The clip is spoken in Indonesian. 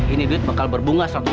ini dave akan berhasil